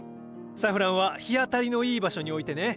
サフランは日当たりのいい場所に置いてね。